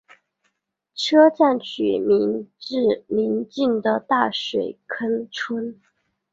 车站取名自邻近的大水坑村。